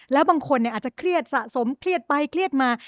แล้วบางคนอาจจะเครียดสะสมเครียดไปเครียดมา